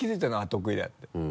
得意だって。